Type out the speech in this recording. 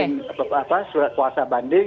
banding apa apa surat kuasa banding